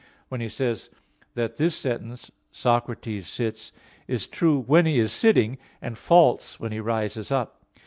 iii) when he says that this sentence, "Socrates sits," is true when he is sitting, and false when he rises up.